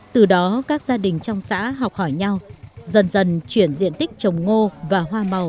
từ đó các gia đình trong xã học hỏi nhau dần dần chuyển diện tích trồng ngô và hoa màu sang trồng chuối